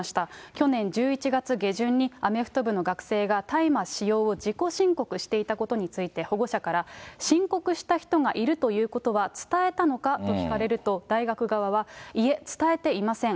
去年１１月下旬にアメフト部の学生が大麻使用を自己申告していたことについて、保護者から、申告した人がいるということは伝えたのかと聞かれると、大学側は、いえ、伝えていません。